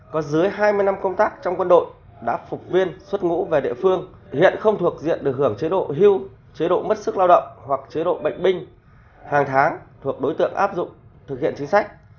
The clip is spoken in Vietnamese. có dưới hai mươi năm công tác trong quân đội đã phục viên xuất ngũ về địa phương hiện không thuộc diện được hưởng chế độ hưu chế độ mất sức lao động hoặc chế độ bệnh binh hàng tháng thuộc đối tượng áp dụng thực hiện chính sách